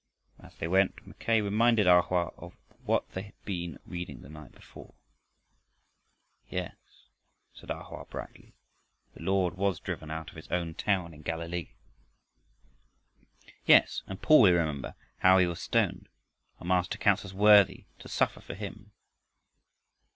And, as they went, Mackay reminded A Hoa of what they had been reading the night before. "Yes," said A Hoa brightly. "The Lord was driven out of his own town in Galilee." "Yes, and Paul you remember how he was stoned. Our Master counts us worthy to suffer for him."